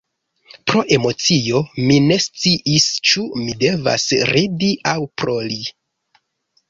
Pro emocio, mi ne sciis ĉu mi devas ridi aŭ plori...